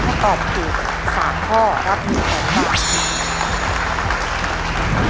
ถ้าตอบถูก๓ข้อรับ๑๐๐๐บาท